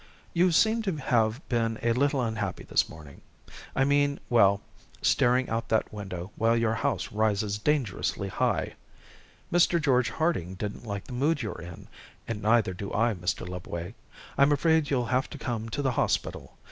"You seem to have been a little unhappy this morning. I mean well staring out that window while your house rises dangerously high. Mr. George Harding didn't like the mood you're in, and neither do I, Mr. Lubway. I'm afraid you'll have to come to the hospital.